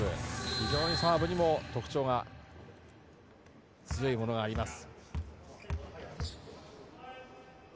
非常にサーブにも特徴が強いものがあります。